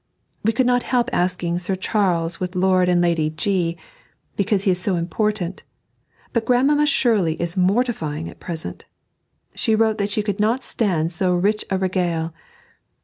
'We could not help asking Sir Charles with Lord and Lady G , because he is so important; but Grandmamma Shirley is "mortifying" at present. She wrote that she could not stand "so rich a regale."